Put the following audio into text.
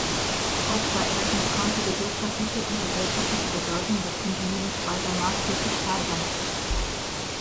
Oskar Erckens konnte die wirtschaftliche und gesellschaftliche Bedeutung des Unternehmens weiter maßgeblich steigern.